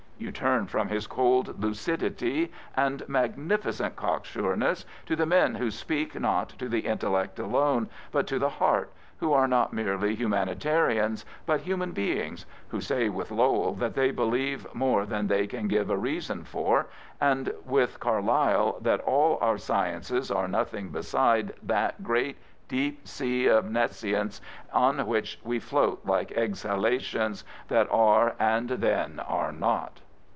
You turn from his cold lucidity and magnificent cocksureness to the men who speak not to the intellect alone, but to the heart, who are not merely humanitarians, but human beings, who say with Lowell that they believe more than they can give a reason for, and mih Carlyle that all our sciences are nothing beside that great deep sea of nescience on which we float like exhalations that are and then are not.